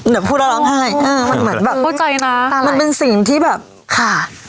เดี๋ยวพูดแล้วร้องไห้เออมันเหมือนแบบเข้าใจนะมันเป็นสิ่งที่แบบค่ะ